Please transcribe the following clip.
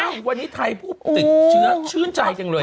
วันนี้ไทยผู้ติดเชื้อชื่นใจจังเลย